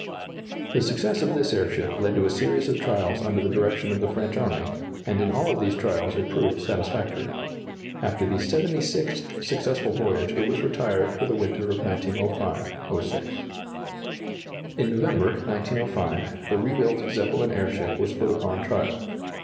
] The success of this airship led to a series of trials under the direction of the French army, and in all of these trials it proved satisfactory. After the 76th successful voyage it was retired for the winter of 1905 6. In November, 1905, the rebuilt Zeppelin airship was put upon trial.